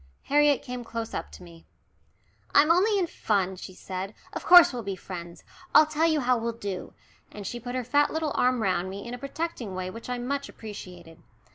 Harriet came close up to me. "I'm only in fun," she said; "of course we'll be friends. I'll tell you how we'll do," and she put her fat little arm round me in a protecting way which I much appreciated.